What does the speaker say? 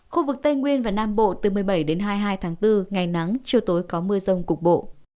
khu vực tây nguyên và nam bộ từ một mươi bảy đến hai mươi hai tháng bốn ngày nắng chiều tối có mưa rông cục bộ